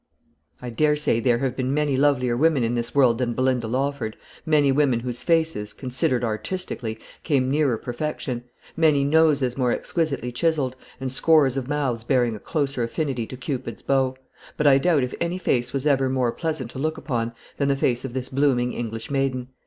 I dare say there have been many lovelier women in this world than Belinda Lawford; many women whose faces, considered artistically, came nearer perfection; many noses more exquisitely chiselled, and scores of mouths bearing a closer affinity to Cupid's bow; but I doubt if any face was ever more pleasant to look upon than the face of this blooming English maiden.